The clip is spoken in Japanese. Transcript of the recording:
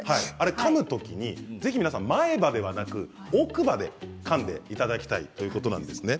かむ時にぜひ皆さん前歯ではなく奥歯でかんでいただきたいということなんです。